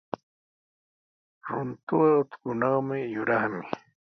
Runtuqa utkunaw yuraqmi.